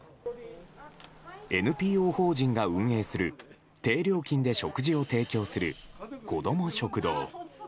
ＮＰＯ法人が運営する低料金で食事を提供する子ども食堂。